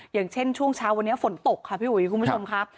อย่างเช่นช่วงเช้าวันนี้ฝนตกค่ะพี่อุ๋ยคุณผู้ชมครับ